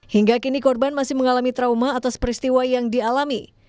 hingga kini korban masih mengalami trauma atas peristiwa yang dialami